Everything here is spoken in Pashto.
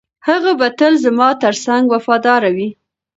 هغه به تل زما تر څنګ وفاداره وي.